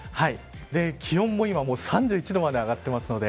気温も今３１度まで上がっているので。